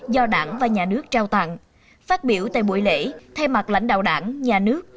do đảng và nhà nước trao tặng phát biểu tại buổi lễ thay mặt lãnh đạo đảng nhà nước